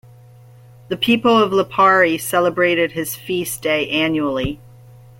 The people of Lipari celebrated his feast day annually.